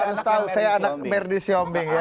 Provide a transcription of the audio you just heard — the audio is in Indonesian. harus tahu saya anak merdi syombe ya